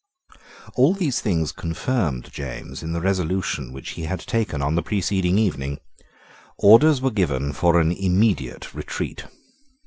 All these things confirmed James in the resolution which he had taken on the preceding evening. Orders were given for an immediate retreat.